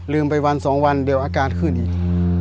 ไปวันสองวันเดี๋ยวอาการขึ้นอีก